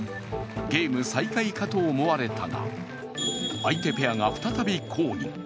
ゲーム再開かと思われたが相手ペアが再び抗議。